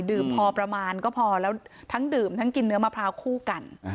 พอประมาณก็พอแล้วทั้งดื่มทั้งกินเนื้อมะพร้าวคู่กัน